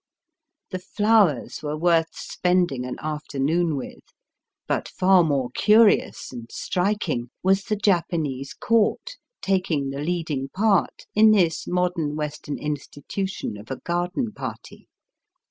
The flowers were worth spending an after noon with ; but far more curious and striking was the Japanese Court taking the leading part in this modem Western institution of a garden party.